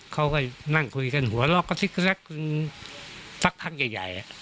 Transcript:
เขาก็นั่งคุยกันหัวลอกก็ซิกซักทั้งใหญ่